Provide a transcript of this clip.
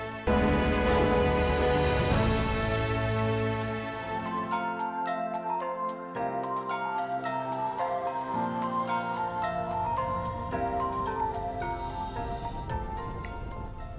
ipung masih hidup di luar biasa